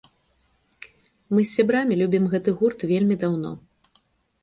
Мы з сябрамі любім гэты гурт вельмі даўно.